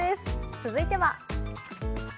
続いては。